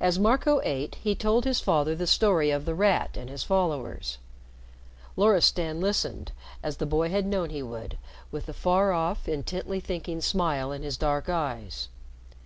As Marco ate, he told his father the story of The Rat and his followers. Loristan listened, as the boy had known he would, with the far off, intently thinking smile in his dark eyes.